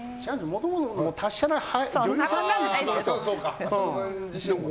もともと達者な女優さんだからね。